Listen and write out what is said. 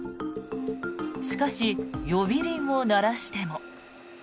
しかし、呼び鈴を鳴らしても。